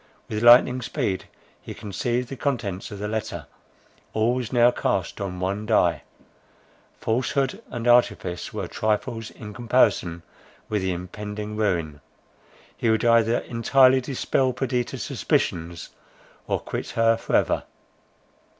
With lightning speed he conceived the contents of the letter; all was now cast on one die; falsehood and artifice were trifles in comparison with the impending ruin. He would either entirely dispel Perdita's suspicions, or quit her for ever.